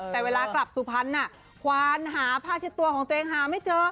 แต่เวลากลับสุพรรณควานหาผ้าเช็ดตัวของตัวเองหาไม่เจอ